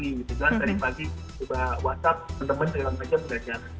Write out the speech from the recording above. tidak dari pagi whatsapp teman teman di dalam media sudah jalan